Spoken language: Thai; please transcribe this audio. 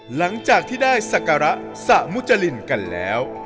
หลังจากที่ได้สักการะสะมุจรินกันแล้ว